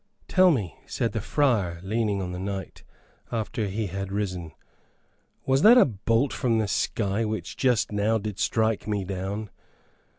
"Tell me," said the friar, leaning on the knight, after he had risen, "was that a bolt from the sky which just now did strike me down?"